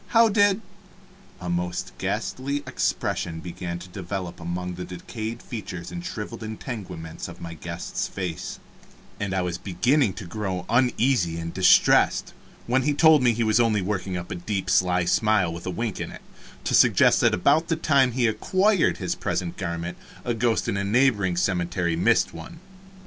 How did " A most ghastly expression began to develop among the decayed features and shriveled integuments of my guest's face, and I was beginning to grow uneasy and distressed, when he told me he was only working up a deep, sly smile, with a wink in it, to suggest that about the time he acquired his present garment a ghost in a neighboring cemetery missed one.